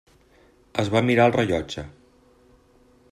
Es va mirar el rellotge.